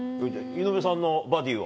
井上さんのバディは？